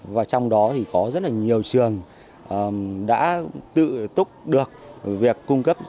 và trong đó thì có rất là nhiều trường đã tự túc được việc cung cấp